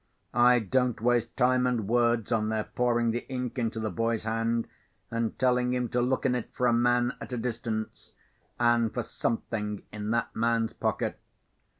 I don't waste time and words on their pouring the ink into the boy's hand, and telling him to look in it for a man at a distance, and for something in that man's pocket.